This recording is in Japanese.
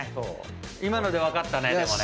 今ので分かったねでもね。